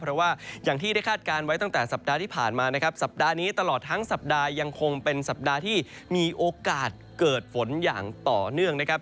เพราะว่าอย่างที่ได้คาดการณ์ไว้ตั้งแต่สัปดาห์ที่ผ่านมานะครับสัปดาห์นี้ตลอดทั้งสัปดาห์ยังคงเป็นสัปดาห์ที่มีโอกาสเกิดฝนอย่างต่อเนื่องนะครับ